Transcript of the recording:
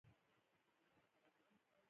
کتابونه د هیندارو په شان دي دا یو مثال دی.